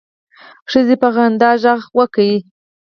ښځې په خندا غږ وکړ.